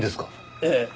ええ。